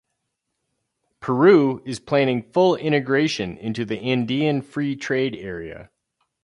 Peru is planning full integration into the Andean Free Trade Area.